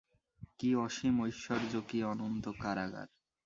কী অসীম ঐশ্বর্য, কী অনন্ত কারাগার।